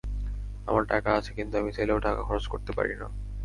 আমার টাকা আছে, কিন্তু আমি চাইলেও টাকা খরচ করতে পারি না।